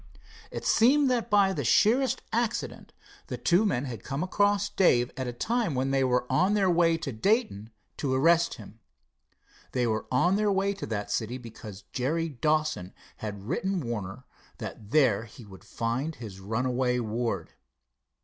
It seemed that by the sheerest accident the two men had come across Dave at a time when they were on their way to Dayton to arrest him. They were on their way to that city, because Jerry Dawson had written Warner that there he would find his runaway ward.